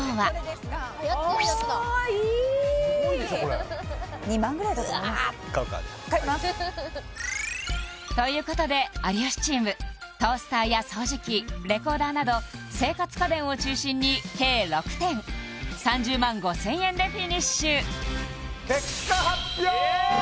すごいでしょこれということで有吉チームトースターや掃除機レコーダーなど生活家電を中心に計６点３０万５０００円でフィニッシュイエーイ！